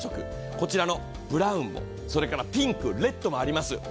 こちらのブラウンも、ピンク、レッドもあります。